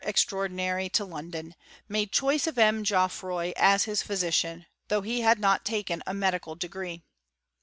S43 extraordinary to London, made choice of M. Geoffroy as hii physician, though he had not t^en a medical degree.